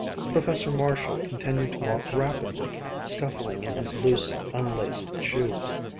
Professor Marshall continued to walk rapidly, scuffling in his loose, unlaced shoes.